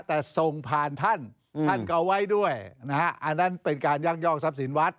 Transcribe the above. แต่ส่งผ่านท่านท่านก็เอาไว้ด้วยนะฮะอันนั้นเป็นการยักยอกทรัพย์สินวัด